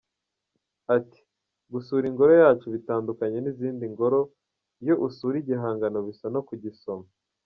Ati “Gusura ingoro yacu bitandukanye n’izindi ngoro, iyo usura igihangano bisa no kugisoma.